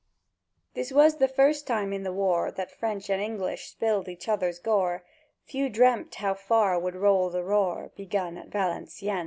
This was the first time in the war That French and English spilled each other's gore; —Few dreamt how far would roll the roar Begun at Valencieën!